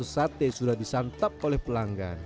seribu lima ratus sate sudah disantap oleh pelanggan